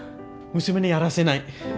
娘にやらせない。